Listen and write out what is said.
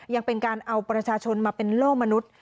ยังเป็นการเอาประชาชนมาเป็นโล่มนุษย์